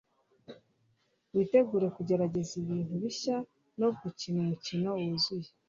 Witegure kugerageza kubintu bishya no gukina umukino wuzuye.